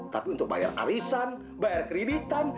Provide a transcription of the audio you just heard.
tapi untuk bayar arisan bayar kreditan